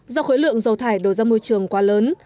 do khối lượng dầu thải đổ ra môi trường quá lớn